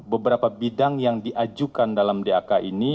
beberapa bidang yang diajukan dalam dak ini